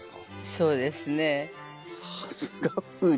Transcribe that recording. そうですね。